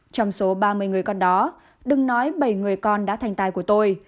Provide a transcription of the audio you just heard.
trong số ba mươi người con đó đừng nói bảy người con đã thành tài của tôi